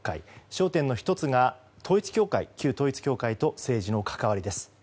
焦点の１つが統一教会旧統一教会と政治の関わりです。